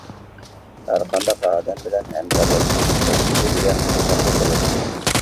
ھەرقانداق ئادەم بىلەن ھەمكارلاشما، يازغۇچى دېگەن مۇستەقىل بولىدۇ.